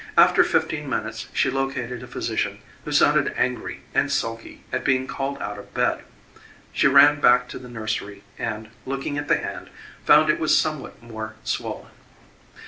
After fifteen minutes she located a physician who sounded angry and sulky at being called out of bed. She ran back to the nursery and, looking at the hand, found it was somewhat more swollen.